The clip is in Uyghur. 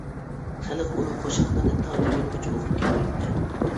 خەلق ئۇنىڭ قوشاقلىرىنى تا بۈگۈنگىچە ئوقۇپ كەلمەكتە.